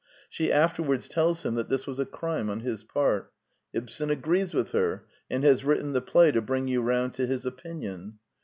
She afterwards tells him that this was a crime on his part. Ibsen agrees with her, and has written the play to bring you round to his opinion.